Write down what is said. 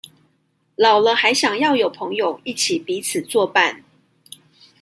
老了還想要有朋友一起彼此相伴